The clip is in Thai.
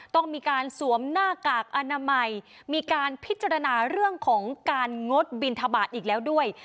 ต้องมีการสวมหน้ากากอนามัยมีการพิจารณาเรื่องของการงดบินทบาทอีกแล้วด้วย